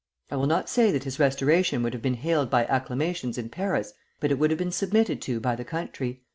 I will not say that his restoration would have been hailed by acclamations in Paris, but it would have been submitted to by the country.